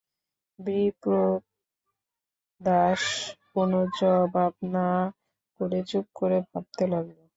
বিপ্রদাস কোনো জবাব না করে চুপ করে ভাবতে লাগল।